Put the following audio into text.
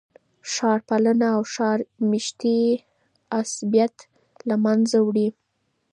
ښار پالنه او ښار میشتي عصبیت له منځه وړي.